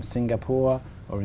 chúng ta phải ở đó